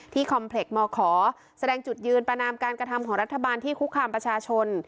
คอมเพล็กต์มขอแสดงจุดยืนประนามการกระทำของรัฐบาลที่คุกคามประชาชน